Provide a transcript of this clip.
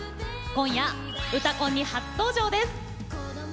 今夜「うたコン」に初登場です。